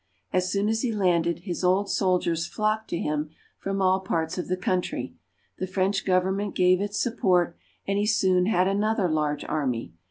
As soon as he landed, his old soldiers flocked to him from all parts of the country ; the French government gave its support, and he soon had another large army.